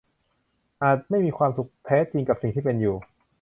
อาจไม่มีความสุขแท้จริงกับสิ่งที่เป็นอยู่